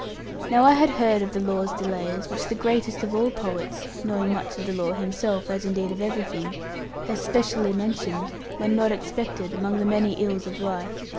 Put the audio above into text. Now I had heard of the law's delays, which the greatest of all great poets (knowing much of the law himself, as indeed of everything) has specially mentioned, when not expected, among the many ills of life.